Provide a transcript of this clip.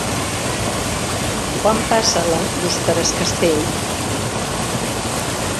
Quan passa l'autobús per Es Castell?